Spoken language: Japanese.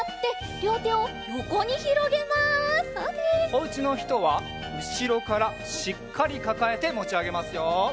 おうちのひとはうしろからしっかりかかえてもちあげますよ。